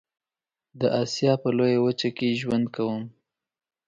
د آسيا په لويه وچه کې ژوند کوم.